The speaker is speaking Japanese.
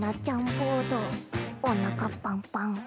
ボード「おなかパンパン」。